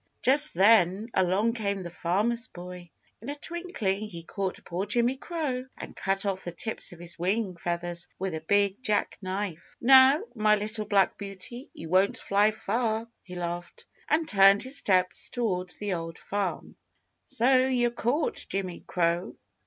Just then along came the Farmer's Boy. In a twinkling, he caught poor Jimmy Crow and cut off the tips of his wing feathers with a big jack knife. "Now, my little black beauty, you won't fly far," he laughed, and turned his steps toward the Old Farm. "So, you're caught, Jimmy Crow!"